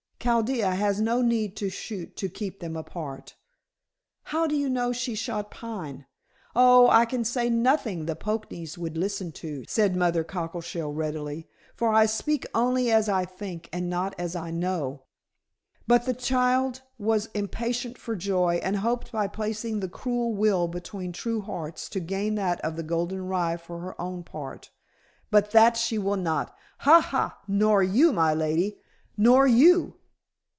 Chaldea had no need to shoot to keep them apart." "How do you know she shot Pine?" "Oh, I can say nothing the Poknees would listen to," said Mother Cockleshell readily. "For I speak only as I think, and not as I know. But the child was impatient for joy, and hoped by placing the cruel will between true hearts to gain that of the golden rye for her own part. But that she will not. Ha! Ha! Nor you, my lady, nor you."